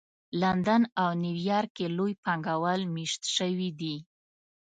لندن او نیویارک کې لوی پانګه وال مېشت شوي دي